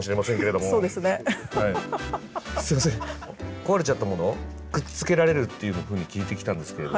壊れちゃったものをくっつけられるっていうふうに聞いてきたんですけれども。